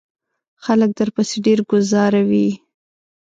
خلک درپسې ډیری گوزاروي.